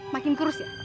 makin kerus ya